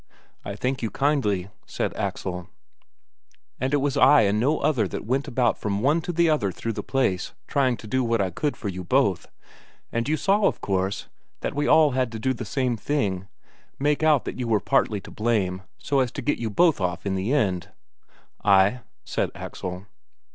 "I thank you kindly," said Axel. "And it was I and no other that went about from one to another through the place, trying to do what I could for you both. And you saw, of course, that we all had to do the same thing make out that you were partly to blame, so as to get you both off in the end." "Ay," said Axel.